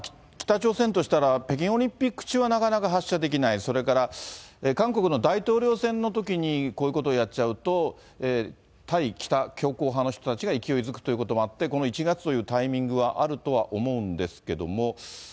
北朝鮮としたら、北京オリンピック中はなかなか発射できない、それから韓国の大統領選のときにこういうことをやっちゃうと、対北強硬派の人たちが勢いづくということもあって、この１月というタイミングはあるとは思うんですけれども。